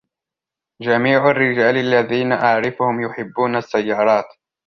جميع الرجال الذين اعرفهم يحبون السيارات